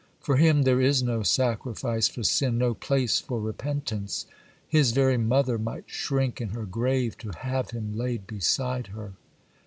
For him there is no sacrifice for sin, no place for repentance. His very mother might shrink in her grave to have him laid beside her.